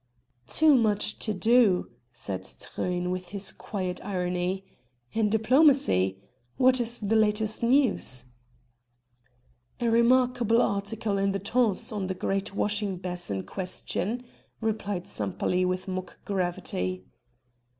"Too much to do!" said Truyn with his quiet irony.... "In diplomacy? What is the latest news?" "A remarkable article in the 'Temps' on the great washing basin question," replied Sempaly with mock gravity.